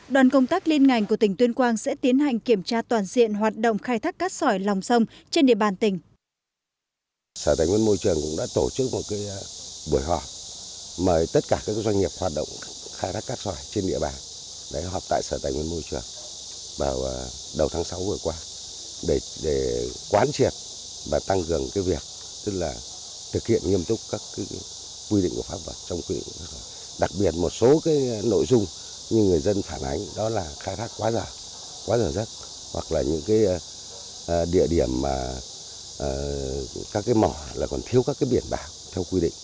đoàn công tác liên ngành của tỉnh tuyên quang sẽ tiến hành kiểm tra toàn diện hoạt động khai thác cát sỏi lòng sông trên địa bàn tỉnh